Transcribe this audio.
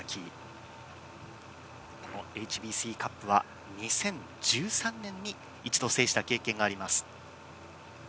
ＨＢＣカップは２０１３年に一度制した経験があります。